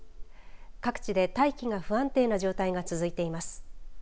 各地で大気が不安定な状態が続いています。